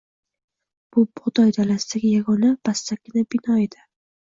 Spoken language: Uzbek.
Bu bug`doy dalasidagi yagona pastakkina bino edi